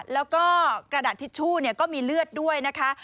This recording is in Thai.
แล้วก็กระดาษทิชชู่ก็มีเลือดด้วยนะคะ